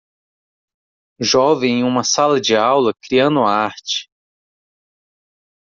Jovem em uma sala de aula, criando arte.